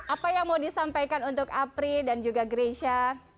apa yang mau disampaikan untuk apri dan juga grecia